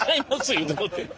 言うてもうてん。